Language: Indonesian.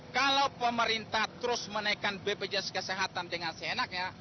kalau pemerintah terus menaikkan bpjs kesehatan dengan seenaknya